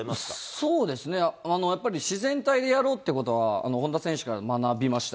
そうですね、やっぱり自然体でやろうっていうことは、本田選手から学びました。